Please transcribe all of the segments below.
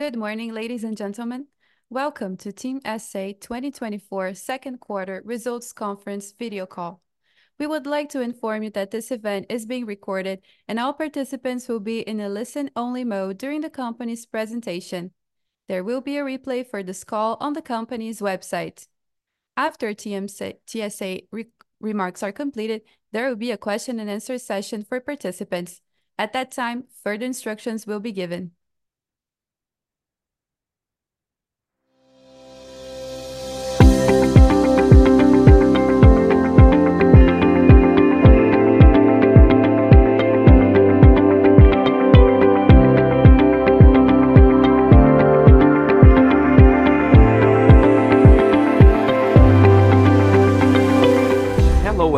Good morning, ladies and gentlemen. Welcome to TIM S.A. 2024 second quarter results conference video call. We would like to inform you that this event is being recorded and all participants will be in a listen-only mode during the company's presentation. There will be a replay for this call on the company's website. After TIM S.A. remarks are completed, there will be a question-and-answer session for participants. At that time, further instructions will be given.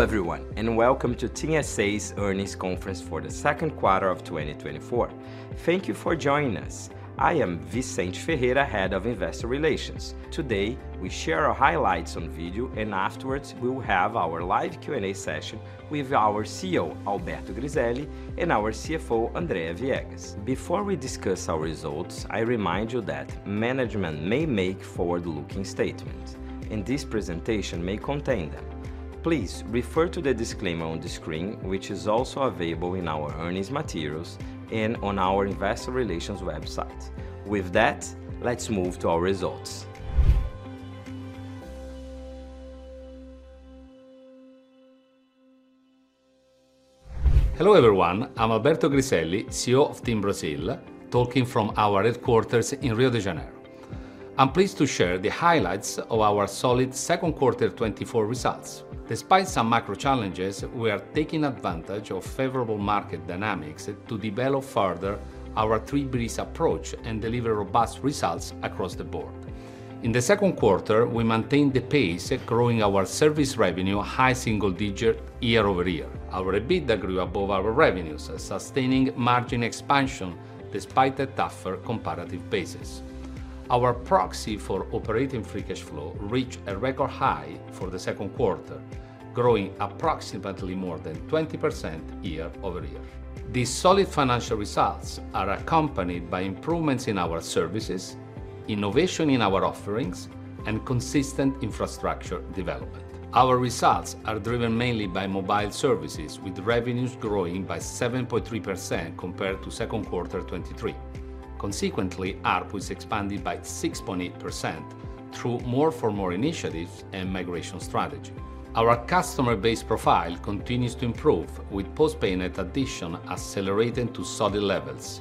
Hello everyone and welcome to TIM S.A.'s earnings conference for the second quarter of 2024. Thank you for joining us. I am Vicente Ferreira, Head of Investor Relations. Today we share our highlights on video and afterwards we will have our live Q&A session with our CEO, Alberto Griselli, and our CFO, Andrea Viegas. Before we discuss our results, I remind you that management may make forward-looking statements, and this presentation may contain them. Please refer to the disclaimer on the screen, which is also available in our earnings materials and on our investor relations website. With that, let's move to our results. Hello everyone. I'm Alberto Griselli, CEO of TIM Brazil, talking from our headquarters in Rio de Janeiro. I'm pleased to share the highlights of our solid second quarter 2024 results. Despite some macro challenges, we are taking advantage of favorable market dynamics to develop further our 3Bs approach and deliver robust results across the board. In the second quarter, we maintained the pace, growing our service revenue high single digit year-over-year. Our EBITDA grew above our revenues, sustaining margin expansion despite a tougher comparative basis. Our proxy for operating free cash flow reached a record high for the second quarter, growing approximately more than 20% year-over-year. These solid financial results are accompanied by improvements in our services, innovation in our offerings, and consistent infrastructure development. Our results are driven mainly by Mobile Services, with revenues growing by 7.3% compared to second quarter 2023. Consequently, ARPU was expanded by 6.8% through more for more initiatives and migration strategy. Our customer base profile continues to improve, with postpaid addition accelerating to solid levels.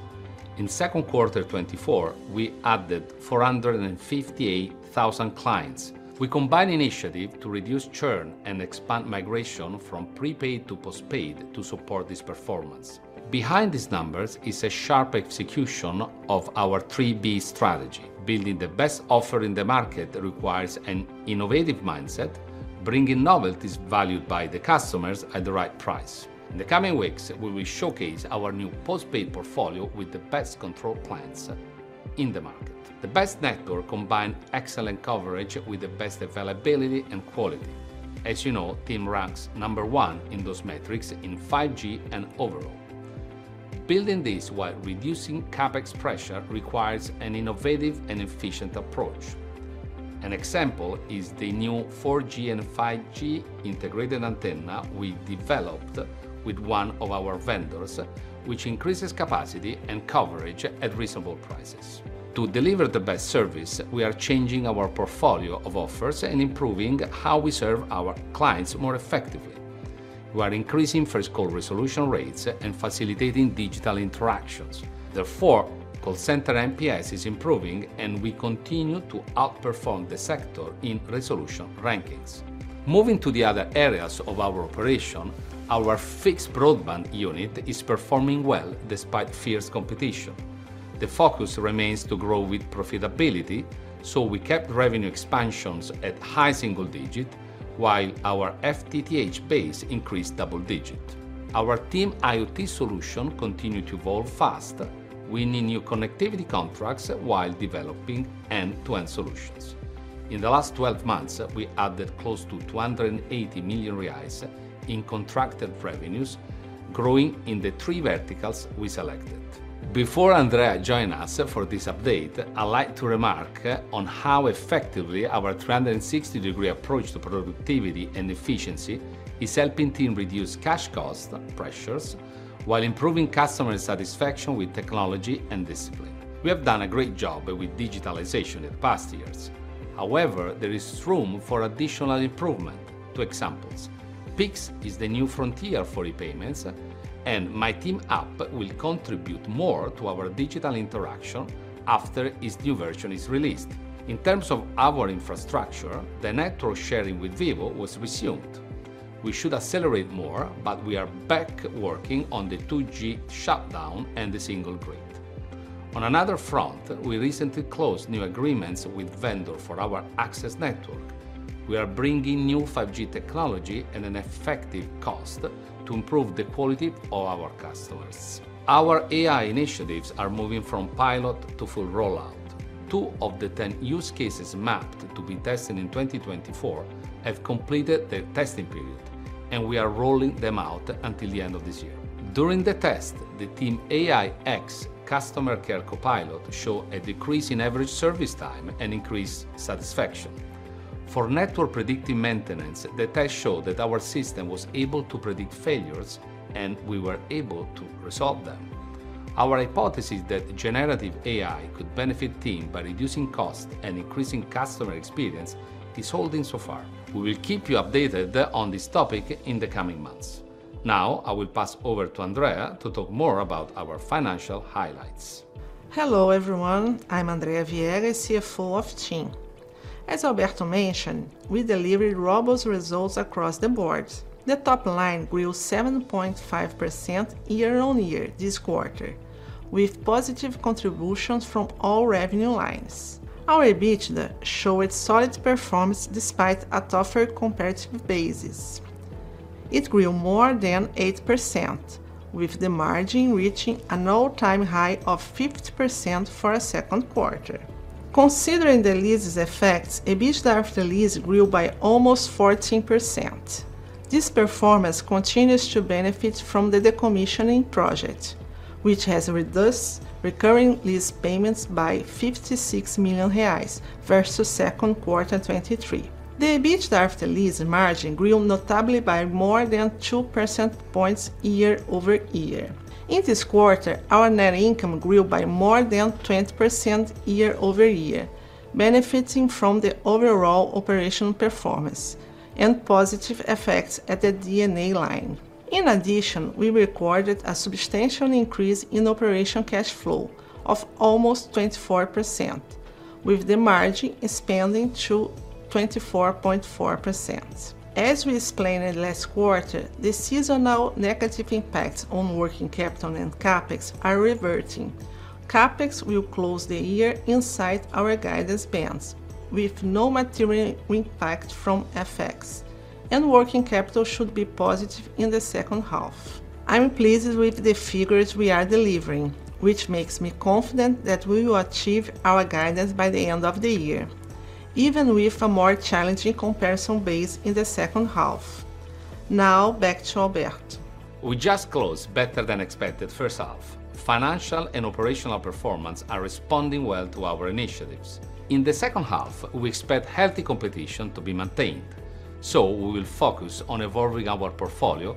In second quarter 2024, we added 458,000 clients. We combined initiatives to reduce churn and expand migration from prepaid to postpaid to support this performance. Behind these numbers is a sharp execution of our 3Bs strategy. Building the best offer in the market requires an innovative mindset, bringing novelties valued by the customers at the right price. In the coming weeks, we will showcase our new postpaid portfolio with the best control plans in the market. The best network combines excellent coverage with the best availability and quality. As you know, TIM ranks number one in those metrics in 5G and overall. Building this while reducing CapEx pressure requires an innovative and efficient approach. An example is the new 4G and 5G integrated antenna we developed with one of our vendors, which increases capacity and coverage at reasonable prices. To deliver the best service, we are changing our portfolio of offers and improving how we serve our clients more effectively. We are increasing first call resolution rates and facilitating digital interactions. Therefore, call center NPS is improving, and we continue to outperform the sector in resolution rankings. Moving to the other areas of our operation, our fixed broadband unit is performing well despite fierce competition. The focus remains to grow with profitability, so we kept revenue expansions at high single digit while our FTTH base increased double digit. Our B2B IoT solution continued to evolve fast, winning new connectivity contracts while developing end-to-end solutions. In the last 12 months, we added close to 280 million reais in contracted revenues, growing in the three verticals we selected. Before Andrea joins us for this update, I'd like to remark on how effectively our 360-degree approach to productivity and efficiency is helping TIM reduce cash cost pressures while improving customer satisfaction with technology and discipline. We have done a great job with digitalization in the past years. However, there is room for additional improvement. Two examples. Pix is the new frontier for e-payments, and My TIM app will contribute more to our digital interaction after its new version is released. In terms of our infrastructure, the network sharing with Vivo was resumed. We should accelerate more, but we are back working on the 2G shutdown and the single grid. On another front, we recently closed new agreements with vendors for our access network. We are bringing new 5G technology at an effective cost to improve the quality of our customers. Our AI initiatives are moving from pilot to full rollout. Two of the 10 use cases mapped to be tested in 2024 have completed their testing period, and we are rolling them out until the end of this year. During the test, the TIM AIX customer care copilot showed a decrease in average service time and increased satisfaction. For network predictive maintenance, the test showed that our system was able to predict failures and we were able to resolve them. Our hypothesis that generative AI could benefit TIM by reducing costs and increasing customer experience is holding so far. We will keep you updated on this topic in the coming months. Now I will pass over to Andrea to talk more about our financial highlights. Hello everyone. I'm Andrea Viegas, CFO of TIM. As Alberto mentioned, we delivered robust results across the board. The top line grew 7.5% year-over-year this quarter, with positive contributions from all revenue lines. Our EBITDA showed solid performance despite a tougher comparative basis. It grew more than 8%, with the margin reaching an all-time high of 50% for a second quarter. Considering the lease effects, EBITDA after lease grew by almost 14%. This performance continues to benefit from the decommissioning project, which has reduced recurring lease payments by 56 million reais versus second quarter 2023. The EBITDA after lease margin grew notably by more than 2 percentage points year-over-year. In this quarter, our net income grew by more than 20% year-over-year, benefiting from the overall operational performance and positive effects at the D&A line. In addition, we recorded a substantial increase in operational cash flow of almost 24%, with the margin expanding to 24.4%. As we explained in the last quarter, the seasonal negative impacts on working capital and CapEx are reverting. CapEx will close the year inside our guidance bands, with no material impact from FX, and working capital should be positive in the second half. I'm pleased with the figures we are delivering, which makes me confident that we will achieve our guidance by the end of the year, even with a more challenging comparison base in the second half. Now back to Alberto. We just closed better-than-expected first half. Financial and operational performance are responding well to our initiatives. In the second half, we expect healthy competition to be maintained, so we will focus on evolving our portfolio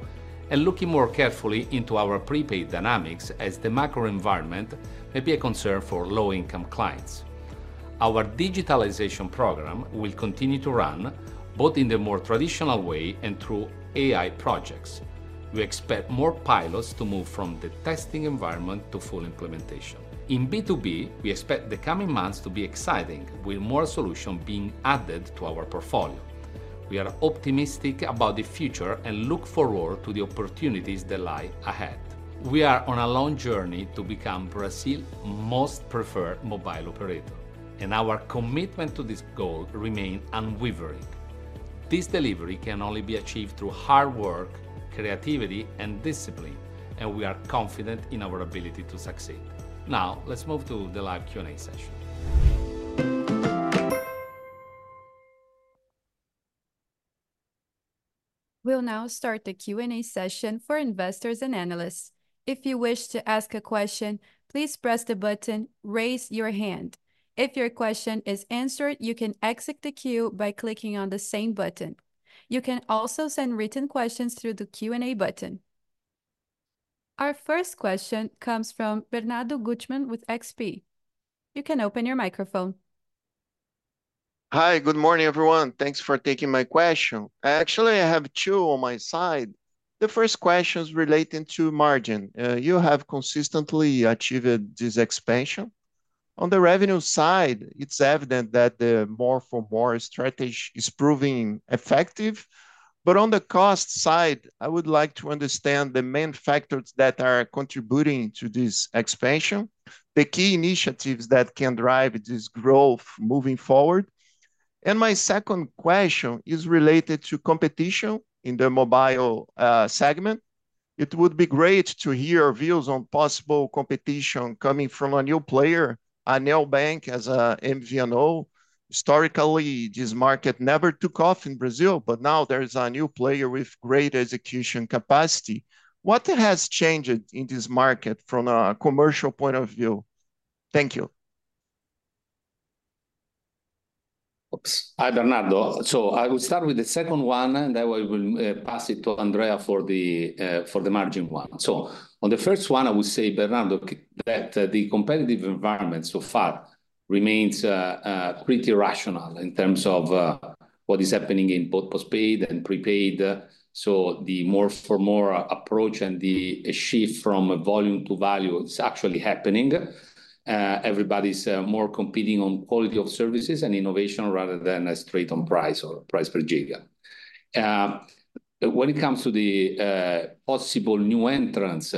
and looking more carefully into our prepaid dynamics as the macro environment may be a concern for low-income clients. Our digitalization program will continue to run both in the more traditional way and through AI projects. We expect more pilots to move from the testing environment to full implementation. In B2B, we expect the coming months to be exciting, with more solutions being added to our portfolio. We are optimistic about the future and look forward to the opportunities that lie ahead. We are on a long journey to become Brazil's most preferred mobile operator, and our commitment to this goal remains unwavering. This delivery can only be achieved through hard work, creativity, and discipline, and we are confident in our ability to succeed. Now let's move to the live Q&A session. We'll now start the Q&A session for investors and analysts. If you wish to ask a question, please press the button "Raise Your Hand." If your question is answered, you can exit the queue by clicking on the same button. You can also send written questions through the Q&A button. Our first question comes from Bernardo Guttmann with XP. You can open your microphone. Hi, good morning everyone. Thanks for taking my question. Actually, I have two on my side. The first question is related to margin. You have consistently achieved this expansion. On the revenue side, it's evident that the more for more strategy is proving effective. But on the cost side, I would like to understand the main factors that are contributing to this expansion, the key initiatives that can drive this growth moving forward. My second question is related to competition in the Mobile segment. It would be great to hear views on possible competition coming from a new player, Nubank as an MVNO. Historically, this market never took off in Brazil, but now there is a new player with great execution capacity. What has changed in this market from a commercial point of view? Thank you. Oops, hi Bernardo. So I will start with the second one, and then we will pass it to Andrea for the margin one. So on the first one, I would say, Bernardo, that the competitive environment so far remains pretty rational in terms of what is happening in both postpaid and prepaid. So the more for more approach and the shift from volume to value is actually happening. Everybody's more competing on quality of services and innovation rather than a straight-on price or price per giga. When it comes to the possible new entrants,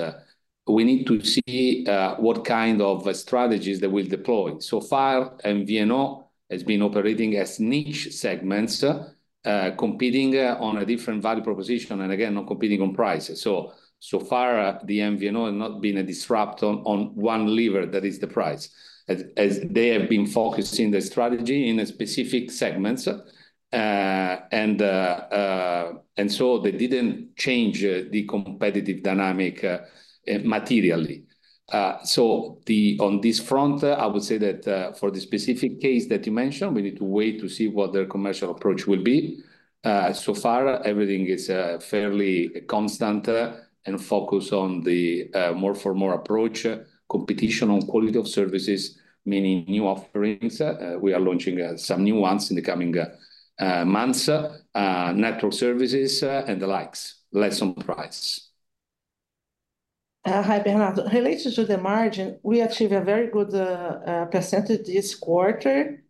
we need to see what kind of strategies they will deploy. So far, MVNO has been operating as niche segments, competing on a different value proposition and again, not competing on price. So far, the MVNO has not been a disruptor on one lever, that is the price, as they have been focusing the strategy in specific segments. And so they didn't change the competitive dynamic materially. So on this front, I would say that for the specific case that you mentioned, we need to wait to see what their commercial approach will be. So far, everything is fairly constant and focused on the more for more approach, competition on quality of services, meaning new offerings. We are launching some new ones in the coming months, network services and the likes, less on price. Hi, Bernardo. Related to the margin, we achieved a very good percentage this quarter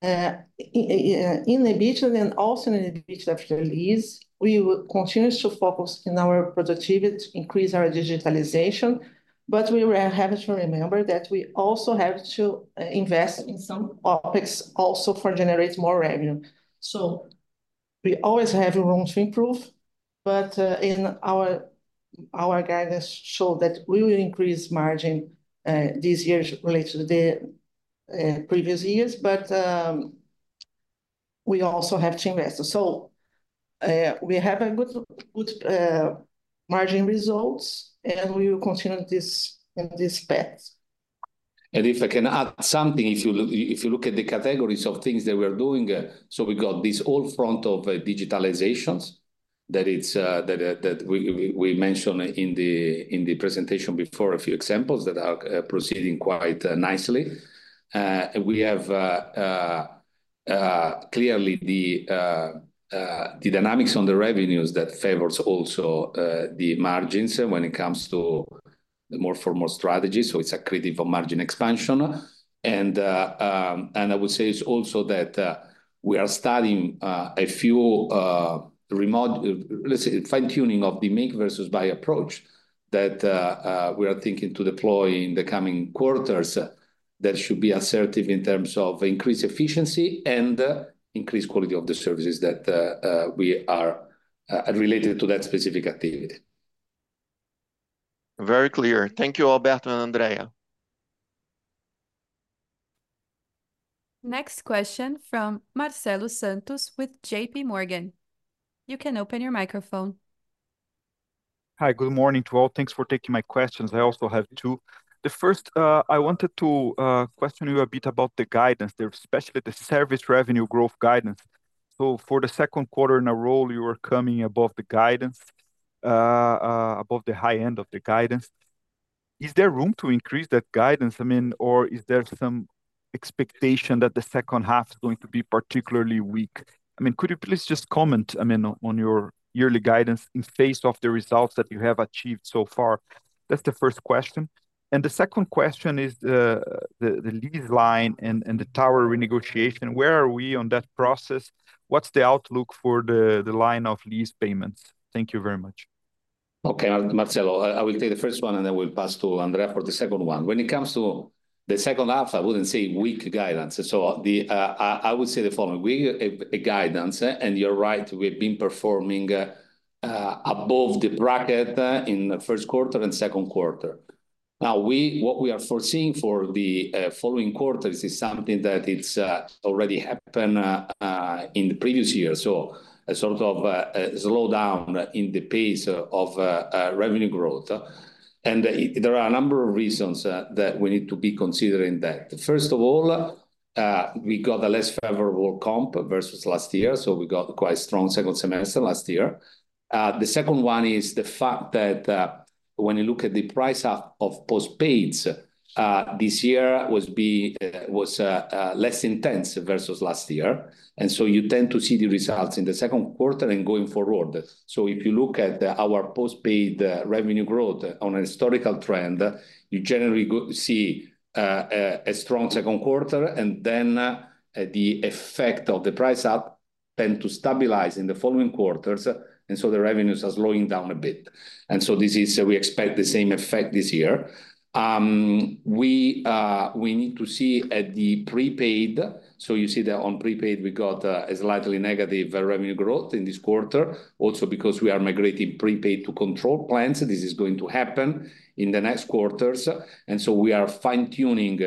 in EBITDA and also in EBITDA after lease. We will continue to focus on our productivity, increase our digitalization, but we have to remember that we also have to invest in some OpEx also for generating more revenue. So we always have room to improve, but our guidance showed that we will increase margin this year related to the previous years, but we also have to invest. So we have good margin results, and we will continue this path. And if I can add something, if you look at the categories of things that we are doing, so we got this whole front of digitalizations that we mentioned in the presentation before, a few examples that are proceeding quite nicely. We have clearly the dynamics on the revenues that favors also the margins when it comes to the more for more strategy. So it's a critical margin expansion. And I would say it's also that we are starting a few remote, let's say, fine-tuning of the make versus buy approach that we are thinking to deploy in the coming quarters that should be assertive in terms of increased efficiency and increased quality of the services that we are related to that specific activity. Very clear. Thank you, Alberto and Andrea. Next question from Marcelo Santos with JPMorgan. You can open your microphone. Hi, good morning to all. Thanks for taking my questions. I also have two. The first, I wanted to question you a bit about the guidance there, especially the service revenue growth guidance. So for the second quarter in a row, you are coming above the guidance, above the high end of the guidance. Is there room to increase that guidance? I mean, or is there some expectation that the second half is going to be particularly weak? I mean, could you please just comment, I mean, on your yearly guidance in face of the results that you have achieved so far? That's the first question. The second question is the lease line and the tower renegotiation. Where are we on that process? What's the outlook for the line of lease payments? Thank you very much. Okay, Marcelo, I will take the first one, and then we'll pass to Andrea for the second one. When it comes to the second half, I wouldn't say weak guidance. So I would say the following: weak guidance, and you're right, we've been performing above the bracket in the first quarter and second quarter. Now, what we are foreseeing for the following quarter is something that has already happened in the previous year, so a sort of slowdown in the pace of revenue growth. And there are a number of reasons that we need to be considering that. First of all, we got a less favorable comp versus last year, so we got quite a strong second semester last year. The second one is the fact that when you look at the price of postpaids, this year was less intense versus last year. And so you tend to see the results in the second quarter and going forward. So if you look at our postpaid revenue growth on a historical trend, you generally see a strong second quarter, and then the effect of the price up tends to stabilize in the following quarters. And so the revenues are slowing down a bit. And so this is; we expect the same effect this year. We need to see at the prepaid, so you see that on prepaid, we got a slightly negative revenue growth in this quarter, also because we are migrating prepaid to control plans. This is going to happen in the next quarters. And so we are fine-tuning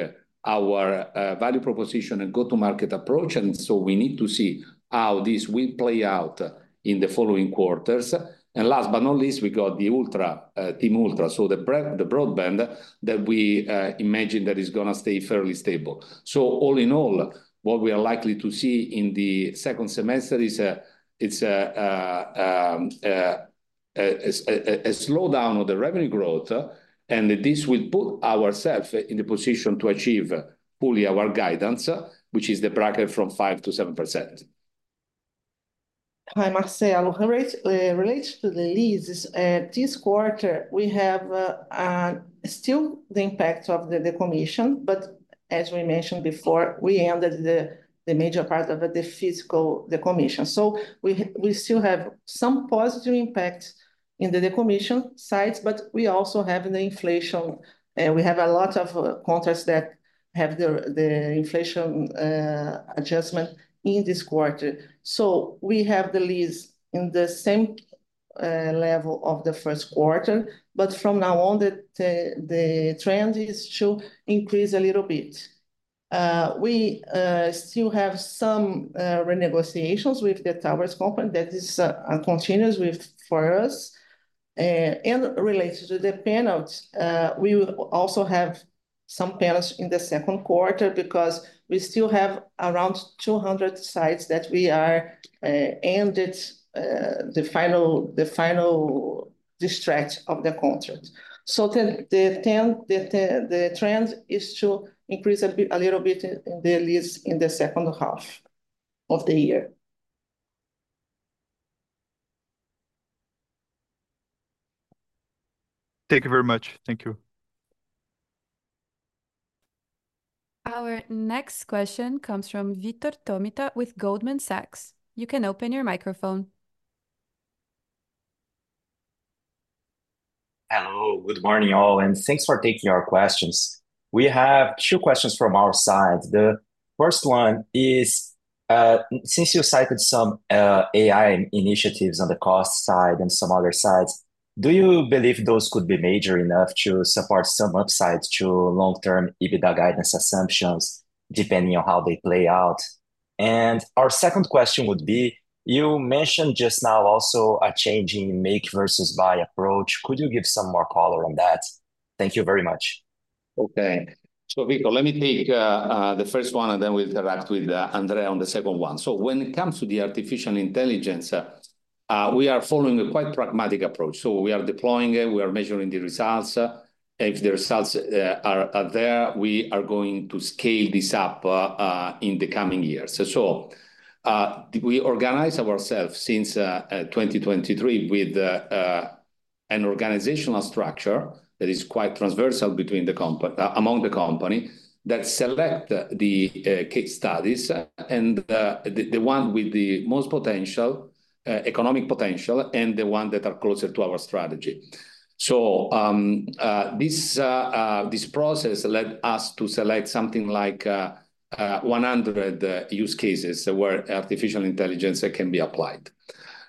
our value proposition and go-to-market approach. And so we need to see how this will play out in the following quarters. And last but not least, we got the Ultra, TIM UltraFibra, so the broadband that we imagine that is going to stay fairly stable. So all in all, what we are likely to see in the second semester is a slowdown of the revenue growth, and this will put ourselves in the position to achieve fully our guidance, which is the bracket from 5%-7%. Hi Marcelo, related to the leases, this quarter we have still the impact of the decommission, but as we mentioned before, we ended the major part of the physical decommission. So we still have some positive impact in the decommission sites, but we also have the inflation. We have a lot of contracts that have the inflation adjustment in this quarter. So we have the lease in the same level of the first quarter, but from now on, the trend is to increase a little bit. We still have some renegotiations with the towers company, that is continuous for us. And related to the payouts, we also have some payouts in the second quarter because we still have around 200 sites that we are ending the final aspects of the contract. So the trend is to increase a little bit in the lease in the second half of the year. Thank you very much. Thank you. Our next question comes from Vitor Tomita with Goldman Sachs. You can open your microphone. Hello, good morning all, and thanks for taking our questions. We have two questions from our side. The first one is, since you cited some AI initiatives on the cost side and some other sides, do you believe those could be major enough to support some upside to long-term EBITDA guidance assumptions depending on how they play out? And our second question would be, you mentioned just now also a change in make versus buy approach. Could you give some more color on that? Thank you very much. Okay, so Vitor, let me take the first one, and then we'll interact with Andrea on the second one. So when it comes to the artificial intelligence, we are following a quite pragmatic approach. So we are deploying it, we are measuring the results. If the results are there, we are going to scale this up in the coming years. So we organize ourselves since 2023 with an organizational structure that is quite transversal between the company, among the company, that select the case studies and the one with the most potential economic potential and the one that are closer to our strategy. So this process led us to select something like 100 use cases where artificial intelligence can be applied.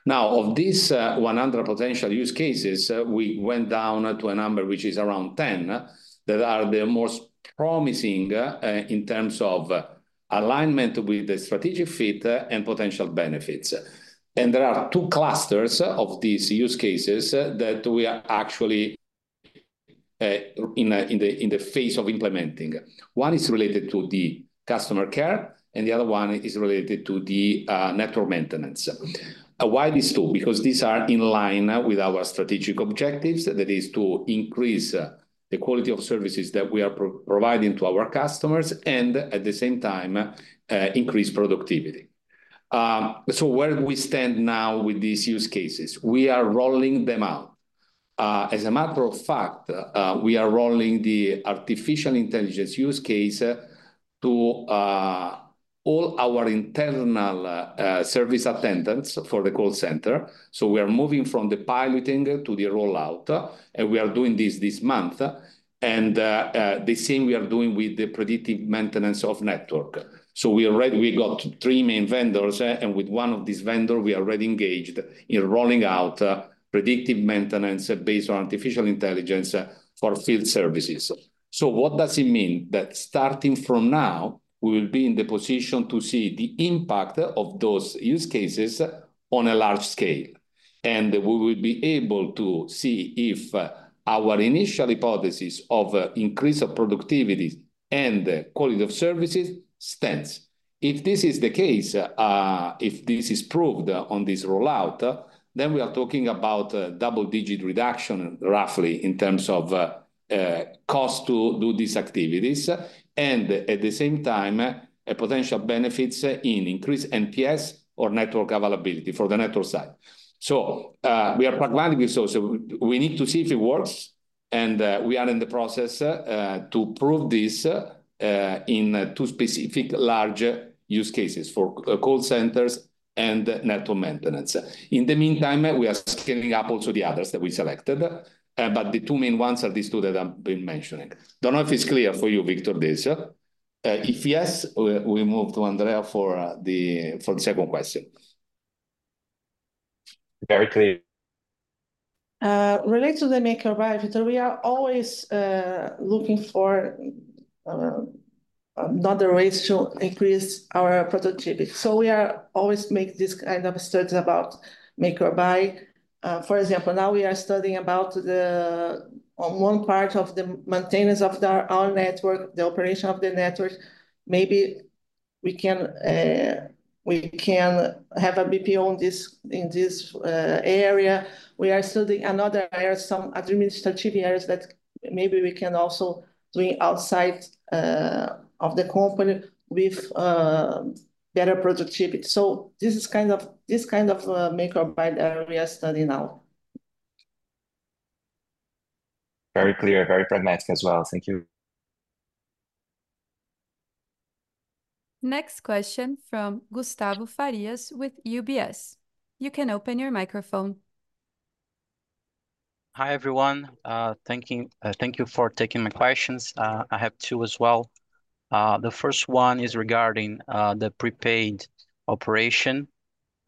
Now, of these 100 potential use cases, we went down to a number which is around 10 that are the most promising in terms of alignment with the strategic fit and potential benefits. There are two clusters of these use cases that we are actually in the phase of implementing. One is related to the customer care, and the other one is related to the network maintenance. Why these two? Because these are in line with our strategic objectives, that is to increase the quality of services that we are providing to our customers and at the same time, increase productivity. Where we stand now with these use cases, we are rolling them out. As a matter of fact, we are rolling the artificial intelligence use case to all our internal service attendants for the call center. So we are moving from the piloting to the rollout, and we are doing this this month. And the same we are doing with the predictive maintenance of network. So we already got three main vendors, and with one of these vendors, we are already engaged in rolling out predictive maintenance based on artificial intelligence for field services. So what does it mean? That starting from now, we will be in the position to see the impact of those use cases on a large scale. And we will be able to see if our initial hypothesis of increase of productivity and quality of services stands. If this is the case, if this is proved on this rollout, then we are talking about double-digit reduction, roughly, in terms of cost to do these activities, and at the same time, potential benefits in increased NPS or network availability for the network side. So we are pragmatic with those. We need to see if it works, and we are in the process to prove this in two specific large use cases for call centers and network maintenance. In the meantime, we are scaling up also the others that we selected, but the two main ones are these two that I've been mentioning. I don't know if it's clear for you, Vitor, this. If yes, we move to Andrea for the second question. Very clear. Related to the make or buy, Vitor, we are always looking for another way to increase our productivity. So we are always making this kind of studies about make or buy. For example, now we are studying about one part of the maintenance of our network, the operation of the network. Maybe we can have a BPO in this area. We are studying another area, some administrative areas that maybe we can also do outside of the company with better productivity. So this is kind of this kind of make or buy that we are studying now. Very clear, very pragmatic as well. Thank you. Next question from Gustavo Farias with UBS. You can open your microphone. Hi everyone. Thank you for taking my questions. I have two as well. The first one is regarding the prepaid operation.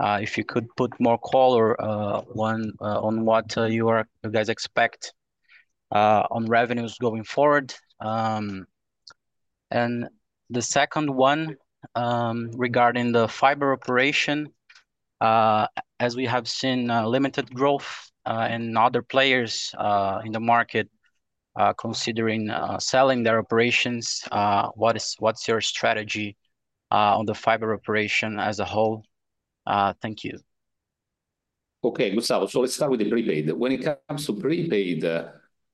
If you could put more color on what you guys expect on revenues going forward. The second one regarding the fiber operation, as we have seen limited growth and other players in the market considering selling their operations, what's your strategy on the fiber operation as a whole? Thank you. Okay, Gustavo, so let's start with the prepaid. When it comes to prepaid,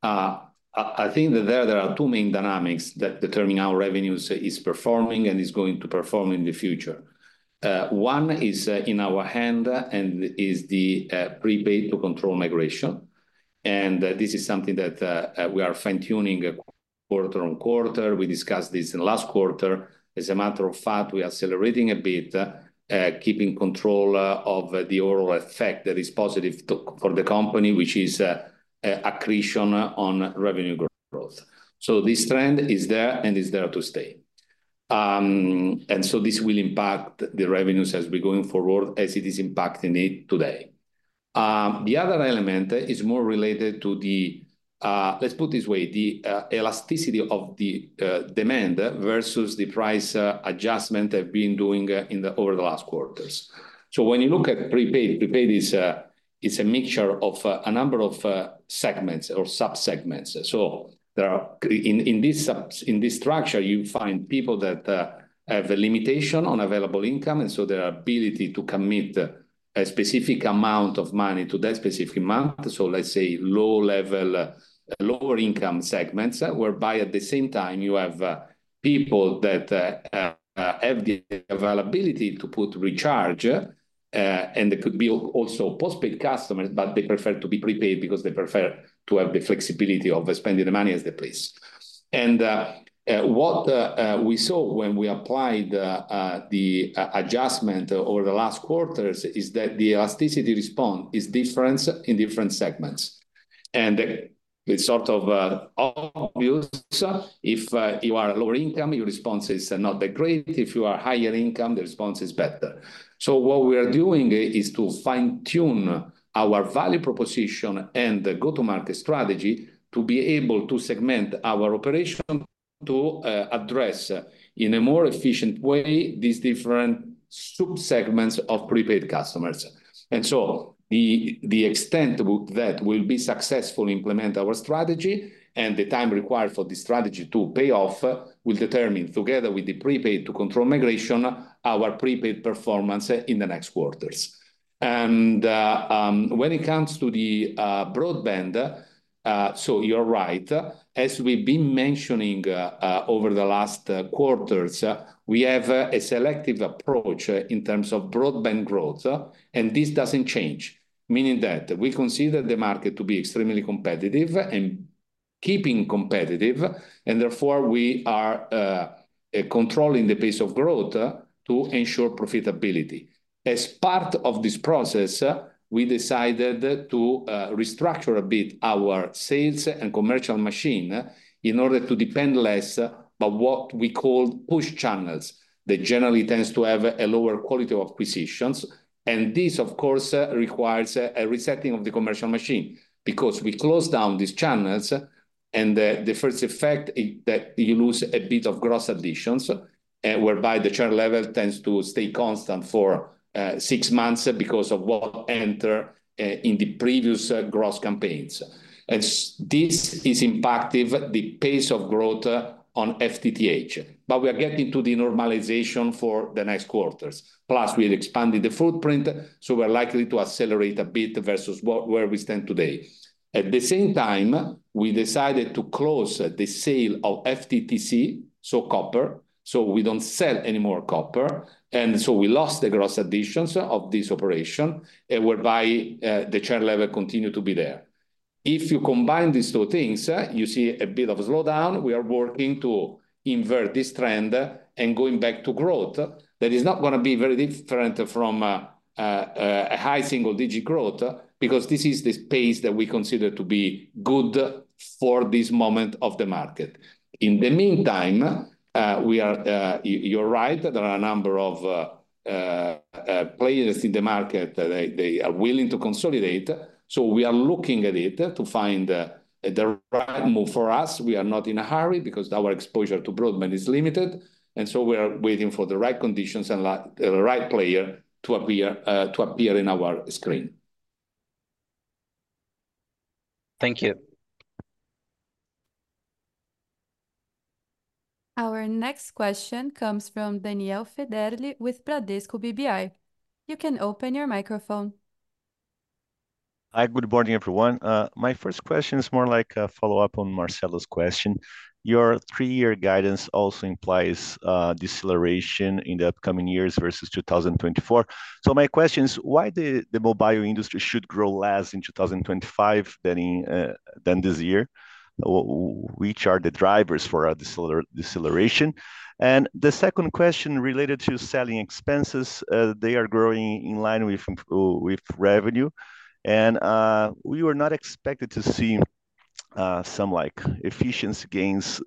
I think that there are two main dynamics that determine how revenues are performing and are going to perform in the future. One is in our hand and is the prepaid to control migration. And this is something that we are fine-tuning quarter on quarter. We discussed this in last quarter. As a matter of fact, we are accelerating a bit, keeping control of the overall effect that is positive for the company, which is accretion on revenue growth. So this trend is there and is there to stay. And so this will impact the revenues as we're going forward, as it is impacting it today. The other element is more related to the, let's put it this way, the elasticity of the demand versus the price adjustment they've been doing over the last quarters. So when you look at prepaid, prepaid is a mixture of a number of segments or subsegments. So in this structure, you find people that have a limitation on available income, and so their ability to commit a specific amount of money to that specific amount. So let's say low-level, lower-income segments, whereby at the same time you have people that have the availability to put recharge, and there could be also postpaid customers, but they prefer to be prepaid because they prefer to have the flexibility of spending the money as they please. And what we saw when we applied the adjustment over the last quarters is that the elasticity response is different in different segments. And it's sort of obvious if you are lower income, your response is not that great. If you are higher income, the response is better. So what we are doing is to fine-tune our value proposition and the go-to-market strategy to be able to segment our operation to address in a more efficient way these different subsegments of prepaid customers. And so the extent that we'll be successfully implementing our strategy and the time required for the strategy to pay off will determine, together with the prepaid to postpaid migration, our prepaid performance in the next quarters. And when it comes to the broadband, so you're right, as we've been mentioning over the last quarters, we have a selective approach in terms of broadband growth, and this doesn't change, meaning that we consider the market to be extremely competitive and keeping competitive, and therefore we are controlling the pace of growth to ensure profitability. As part of this process, we decided to restructure a bit our sales and commercial machine in order to depend less on what we call push channels. That generally tends to have a lower quality of acquisitions. This, of course, requires a resetting of the commercial machine because we close down these channels, and the first effect is that you lose a bit of gross additions, whereby the channel level tends to stay constant for six months because of what entered in the previous gross campaigns. This is impacting the pace of growth on FTTH. We are getting to the normalization for the next quarters. Plus, we've expanded the footprint, so we're likely to accelerate a bit versus where we stand today. At the same time, we decided to close the sale of FTTC, so copper, so we don't sell any more copper. And so we lost the gross additions of this operation, whereby the channel level continued to be there. If you combine these two things, you see a bit of a slowdown. We are working to invert this trend and going back to growth. That is not going to be very different from a high single-digit growth because this is the pace that we consider to be good for this moment of the market. In the meantime, you're right, there are a number of players in the market that they are willing to consolidate. So we are looking at it to find the right move for us. We are not in a hurry because our exposure to broadband is limited. And so we are waiting for the right conditions and the right player to appear in our screen. Thank you. Our next question comes from Daniel Federle with Bradesco BBI. You can open your microphone. Hi, good morning, everyone. My first question is more like a follow-up on Marcelo's question. Your three-year guidance also implies deceleration in the upcoming years versus 2024. So my question is, why does the mobile industry should grow less in 2025 than this year? Which are the drivers for deceleration? And the second question related to selling expenses, they are growing in line with revenue. And we were not expected to see some efficiency gains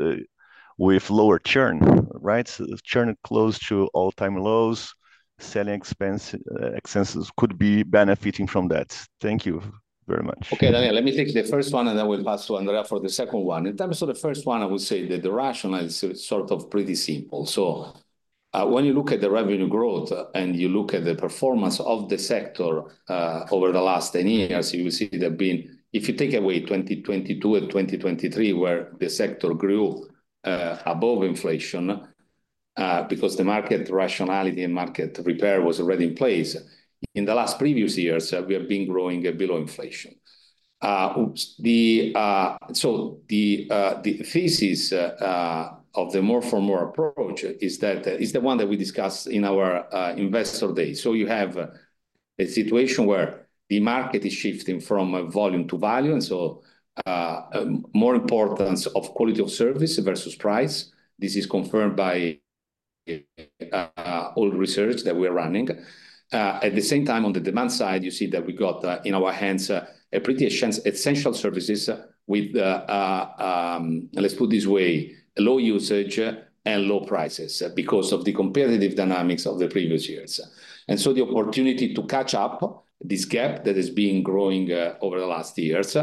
with lower churn, right? Churn close to all-time lows, selling expenses could be benefiting from that. Thank you very much. Okay, Daniel, let me take the first one, and then we'll pass to Andrea for the second one. In terms of the first one, I would say that the rationale is sort of pretty simple. So when you look at the revenue growth and you look at the performance of the sector over the last 10 years, you will see there have been, if you take away 2022 and 2023, where the sector grew above inflation because the market rationality and market repair was already in place, in the last previous years, we have been growing below inflation. So the thesis of the more-for-more approach is the one that we discussed in our Investor Days. So you have a situation where the market is shifting from volume to value, and so more importance of quality of service versus price. This is confirmed by all research that we are running. At the same time, on the demand side, you see that we got in our hands pretty essential services with, let's put it this way, low usage and low prices because of the competitive dynamics of the previous years. And so the opportunity to catch up this gap that has been growing over the last years.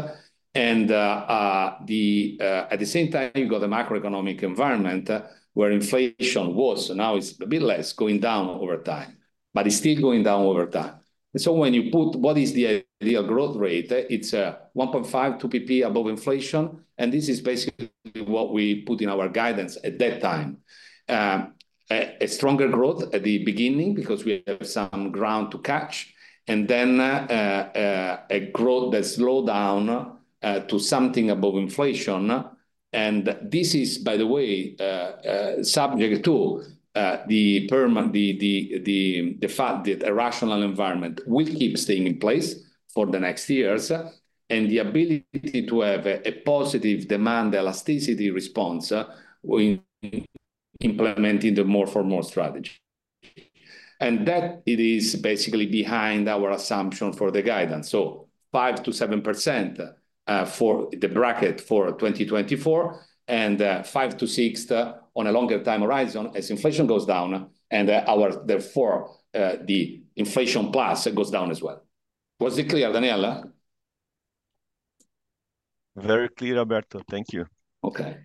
And at the same time, you got the macroeconomic environment where inflation was, now it's a bit less, going down over time, but it's still going down over time. And so when you put what is the ideal growth rate, it's 1.5-2 percentage points above inflation. And this is basically what we put in our guidance at that time. A stronger growth at the beginning because we have some ground to catch, and then a growth that slowed down to something above inflation. This is, by the way, subject to the fact that a rational environment will keep staying in place for the next years and the ability to have a positive demand elasticity response when implementing the more-for-more strategy. That is basically behind our assumption for the guidance. 5%-7% for the bracket for 2024 and 5%-6% on a longer time horizon as inflation goes down, and therefore the inflation plus goes down as well. Was it clear, Daniel? Very clear, Alberto. Thank you. Okay.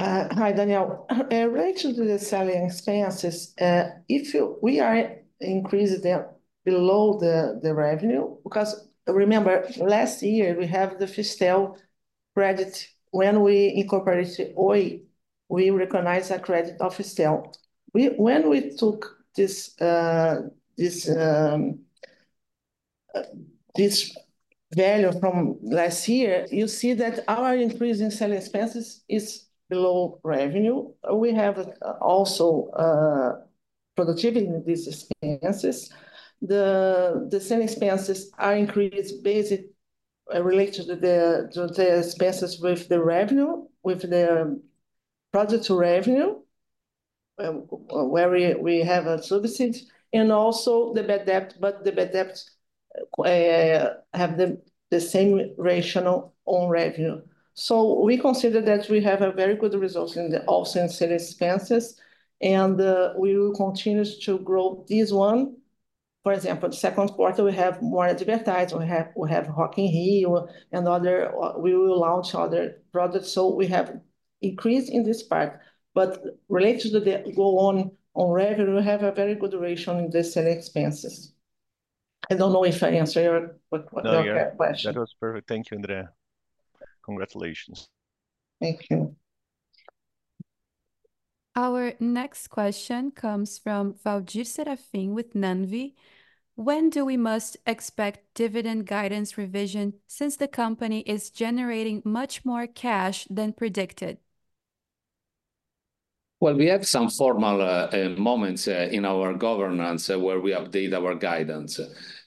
Hi, Daniel. Related to the selling expenses, if we are increasing them below the revenue, because remember, last year we have the FISTEL credit. When we incorporated Oi, we recognized a credit of FISTEL. When we took this value from last year, you see that our increase in selling expenses is below revenue. We have also productivity in these expenses. The selling expenses are increased basically related to the expenses with the revenue, with the project revenue, where we have a subsidy, and also the bad debt, but the bad debt has the same rationale on revenue. So we consider that we have a very good result in the SG&A expenses, and we will continue to grow this one. For example, the second quarter, we have more advertising. We have Rock in Rio and other, we will launch other products. So we have increased in this part. But related to the go on revenue, we have a very good duration in the selling expenses. I don't know if I answered your question. No, you're perfect. Thank you, Andrea. Congratulations. Thank you. Our next question comes from Fauzi Serafim with Navi. When do we must expect dividend guidance revision since the company is generating much more cash than predicted? Well, we have some formal moments in our governance where we update our guidance.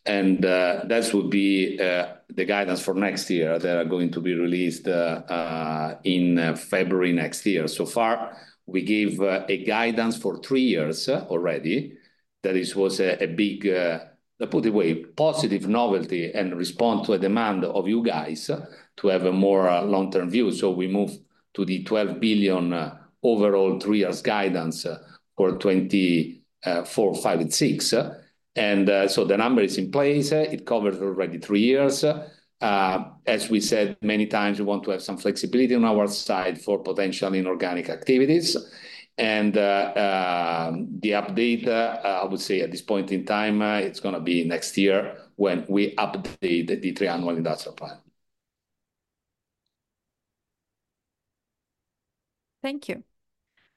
That would be the guidance for next year that are going to be released in February next year. So far, we gave a guidance for three years already that this was a big, put it away, positive novelty and respond to a demand of you guys to have a more long-term view. So we moved to the 12 billion overall three-year guidance for 2024, 2025, and 2026. The number is in place. It covers already three years. As we said many times, we want to have some flexibility on our side for potential inorganic activities. The update, I would say at this point in time, it's going to be next year when we update the three-year annual industrial plan. Thank you.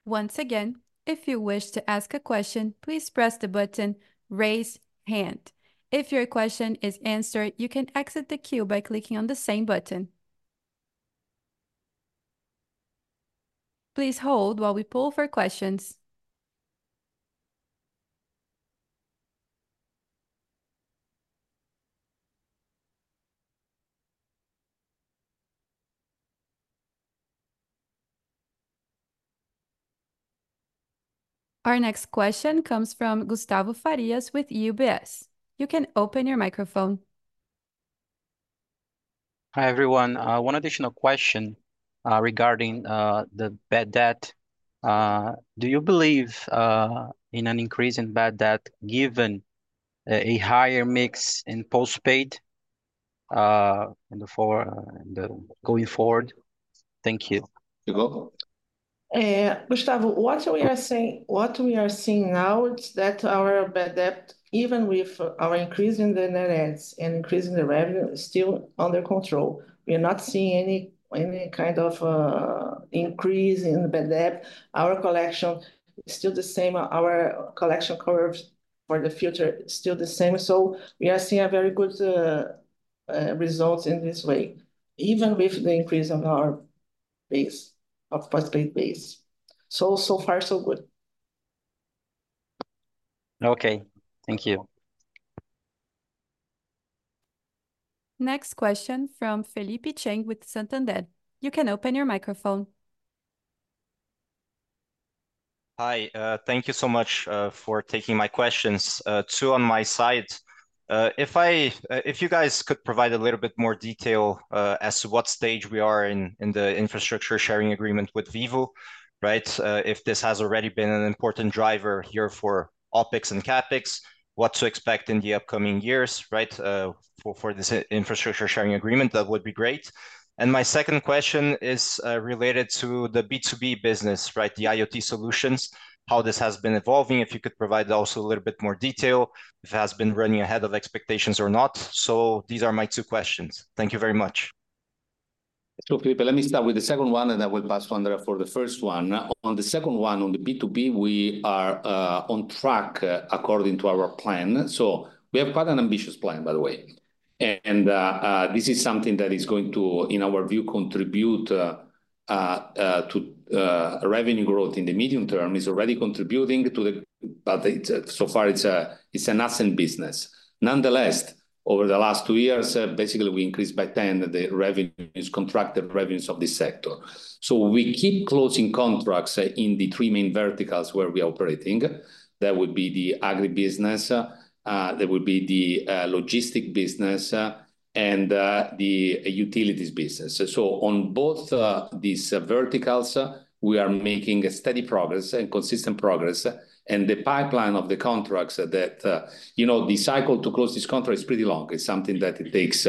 Once again, if you wish to ask a question, please press the button "Raise Your Hand". If your question is answered, you can exit the queue by clicking on the same button. Please hold while we pull for questions. Our next question comes from Gustavo Farias with UBS. You can open your microphone. Hi, everyone. One additional question regarding the bad debt. Do you believe in an increase in bad debt given a higher mix in postpaid going forward? Thank you. Gustavo, what we are seeing now is that our bad debt, even with our increase in the net adds and increase in the revenue, is still under control. We are not seeing any kind of increase in the bad debt. Our collection is still the same. Our collection curve for the future is still the same. So we are seeing very good results in this way, even with the increase in our base of postpaid base. So far, so good. Okay. Thank you. Next question from Felipe Cheng with Santander. You can open your microphone. Hi. Thank you so much for taking my questions. Two on my side. If you guys could provide a little bit more detail as to what stage we are in the infrastructure sharing agreement with Vivo, right? If this has already been an important driver here for OpEx and CapEx, what to expect in the upcoming years, right, for this infrastructure sharing agreement, that would be great. My second question is related to the B2B business, right, the IoT solutions, how this has been evolving. If you could provide also a little bit more detail, if it has been running ahead of expectations or not. These are my two questions. Thank you very much. So, Felipe, let me start with the second one, and I will pass to Andrea for the first one. On the second one, on the B2B, we are on track according to our plan. So we have quite an ambitious plan, by the way. And this is something that is going to, in our view, contribute to revenue growth in the medium term. It's already contributing to the, but so far, it's an asset business. Nonetheless, over the last two years, basically, we increased by 10 the revenues, contracted revenues of this sector. So we keep closing contracts in the three main verticals where we are operating. That would be the agribusiness, that would be the logistic business, and the utilities business. So on both these verticals, we are making steady progress and consistent progress. The pipeline of the contracts that, you know, the cycle to close this contract is pretty long. It's something that it takes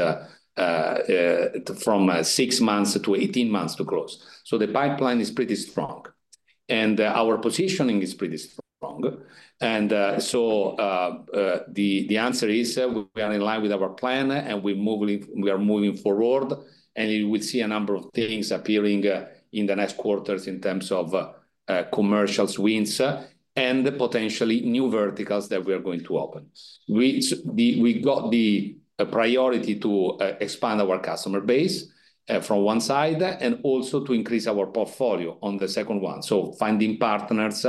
from six months to 18 months to close. So the pipeline is pretty strong. Our positioning is pretty strong. So the answer is we are in line with our plan, and we are moving forward. We see a number of things appearing in the next quarters in terms of commercial swings and potentially new verticals that we are going to open. We got the priority to expand our customer base from one side and also to increase our portfolio on the second one. So finding partners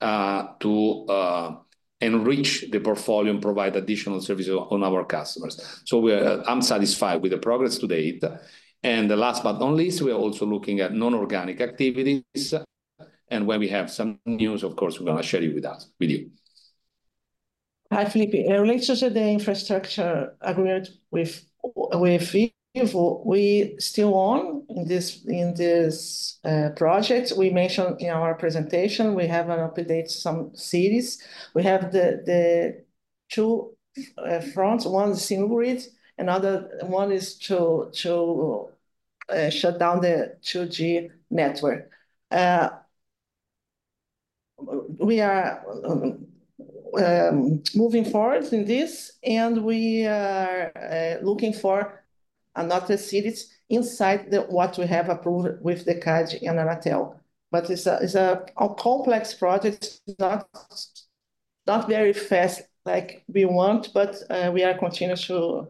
to enrich the portfolio and provide additional services on our customers. So I'm satisfied with the progress to date. Last but not least, we are also looking at non-organic activities. When we have some news, of course, we're going to share it with you. Hi, Felipe. Related to the infrastructure agreement with Vivo, we still own in this project. We mentioned in our presentation, we have an update to some cities. We have the two fronts. One is single grid. Another one is to shut down the 2G network. We are moving forward in this, and we are looking for another series inside what we have approved with the CADE and Anatel. But it's a complex project, not very fast like we want, but we are continuing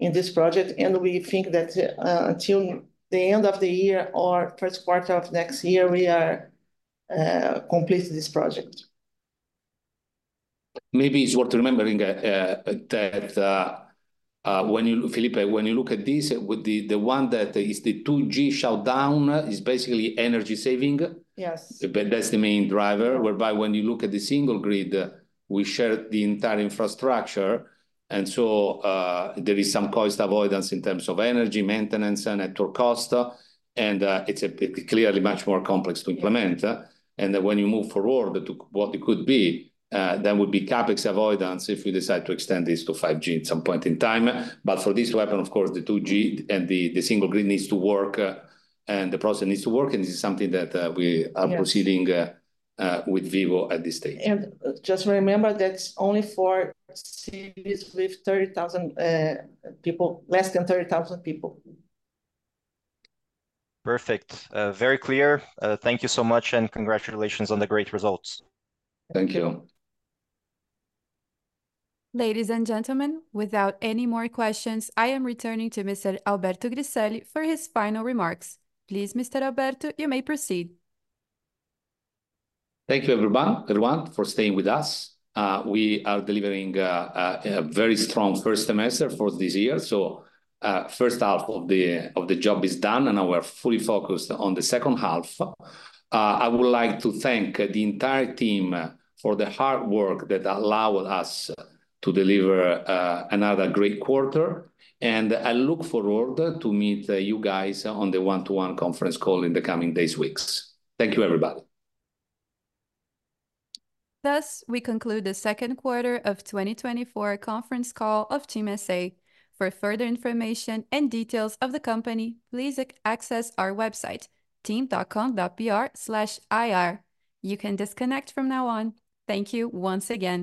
in this project. And we think that until the end of the year or first quarter of next year, we are completing this project. Maybe it's worth remembering that when you, Felipe, when you look at this, the one that is the 2G shutdown is basically energy saving. Yes. That's the main driver, whereby when you look at the single grid, we share the entire infrastructure. So there is some cost avoidance in terms of energy, maintenance, and network cost. It's clearly much more complex to implement. When you move forward to what it could be, there would be CapEx avoidance if we decide to extend this to 5G at some point in time. But for this to happen, of course, the 2G and the single grid needs to work, and the process needs to work. This is something that we are proceeding with Vivo at this stage. Just remember that it's only for cities with 30,000 people, less than 30,000 people. Perfect. Very clear. Thank you so much, and congratulations on the great results. Thank you. Ladies and gentlemen, without any more questions, I am returning to Mr. Alberto Griselli for his final remarks. Please, Mr. Alberto, you may proceed. Thank you, everyone, for staying with us. We are delivering a very strong first semester for this year. First half of the job is done, and we are fully focused on the second half. I would like to thank the entire team for the hard work that allowed us to deliver another great quarter. I look forward to meet you guys on the one-to-one conference call in the coming days' weeks. Thank you, everybody. Thus, we conclude the second quarter of 2024 conference call of TIM S.A. For further information and details of the company, access our website, tim.com.br/ir. You can disconnect from now on. Thank you once again.